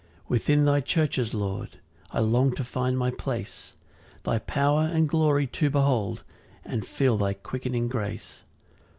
3 Within thy churches, Lord, I long to find my place, Thy power and glory to behold, And feel thy quickening grace.